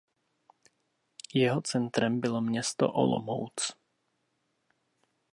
Jeho centrem bylo město Olomouc.